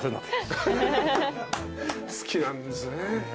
好きなんですね。